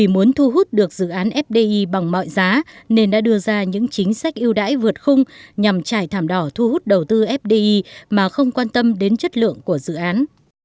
muốn thu hút được dự án fdi bằng mọi giá nên đã đưa ra những chính sách ưu đãi vượt khung nhằm trải thảm đỏ thu hút đầu tư fdi mà không quan tâm đến chất lượng của dự án